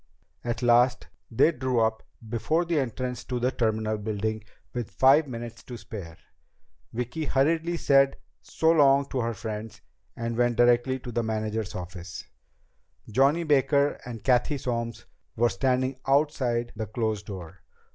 At last they drew up before the entrance to the terminal building with five minutes to spare. Vicki hurriedly said so long to her friends, and went directly to the manager's office. Johnny Baker and Cathy Solms were standing outside the closed door.